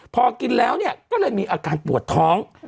พอกินแล้วก็เลยมีอาการปวดท้อง